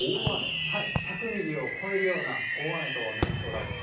１００ミリを超えるような大雨となりそうです。